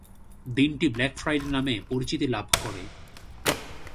দিনটি "black Friday" নামে পরিচিতি লাভ করে।